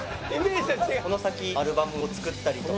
この先アルバムを作ったりとか。